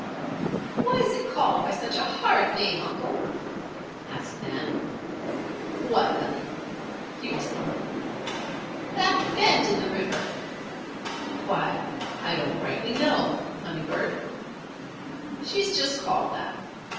"Why is it called by such a horrid name, Uncle?" asked Nan. "What, honey?" he responded. "That bend in the river." "Why, I don't know rightly, honey bird. She's just called that.